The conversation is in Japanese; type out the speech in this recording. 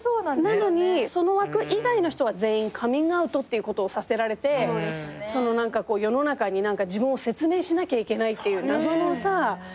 なのにその枠以外の人は全員カミングアウトっていうことをさせられて世の中に自分を説明しなきゃいけないっていう謎のさがあって。